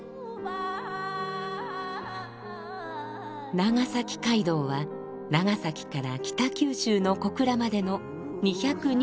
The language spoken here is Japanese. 長崎街道は長崎から北九州の小倉までの２２３キロ。